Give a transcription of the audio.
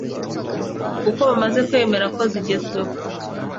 kuko bamaze kwemera ko zigezweho